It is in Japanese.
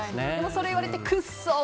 それ言われて、くっそー！